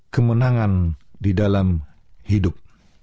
kemenangan di dalam hidup